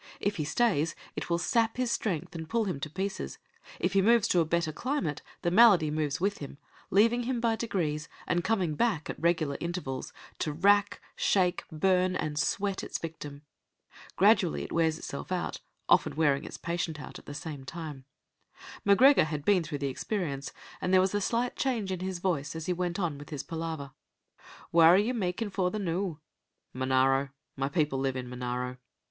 If he stays, it will sap his strength and pull him to pieces; if he moves to a better climate, the malady moves with him, leaving him by degrees, and coming back at regular intervals to rack, shake, burn, and sweat its victim. Gradually it wears itself out, often wearing its patient out at the same time. M'Gregor had been through the experience, and there was a slight change in his voice as he went on with his palaver. "Whaur are ye makin' for the noo?" "Monaro my people live in Monaro."